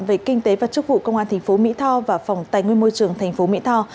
về kinh tế và chức vụ công an thành phố mỹ tho và phòng tài nguyên môi trường tp mỹ tho